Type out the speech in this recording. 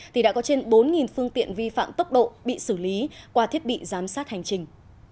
thì đã có trên bốn phương tiện vi phạm tốc độ bị xử lý qua thiết bị giám sát hành trình